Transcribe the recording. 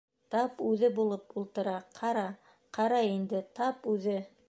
— Тап үҙе булып ултыра, ҡара, ҡара инде, тап үҙе...